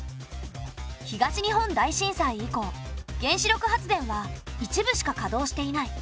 東日本大震災以降原子力発電は一部しか稼働していない。